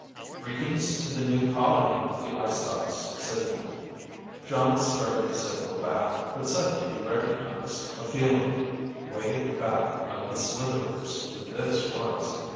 "Greetings to the new colony," the eye stalks signaled. Jon started to signal back. But suddenly he recognized (a feeling way at the back of his slitherers) who this was.